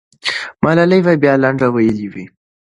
ملالۍ به بیا لنډۍ ویلې وې.